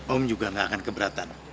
om juga nggak akan keberatan